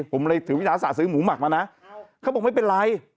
ผมเลยถือวิทยาศาสตร์ซื้อหมูหมักมานะเขาบอกไม่เป็นไร